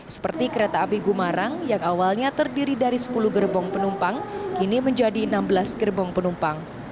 seperti kereta api gumarang yang awalnya terdiri dari sepuluh gerbong penumpang kini menjadi enam belas gerbong penumpang